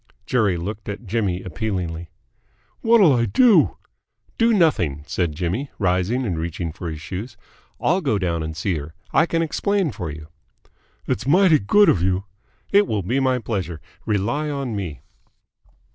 Jerry looked at Jimmy appealingly. "What'll I do?" "Do nothing," said Jimmy, rising and reaching for his shoes. "I'll go down and see her. I can explain for you." "It's mighty good of you." "It will be a pleasure. Rely on me."